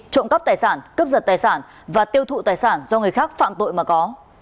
trộm cắp tài sản cướp giật tài sản và tiêu thụ tài sản do người khác phạm tội mà có